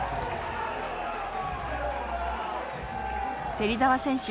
芹澤選手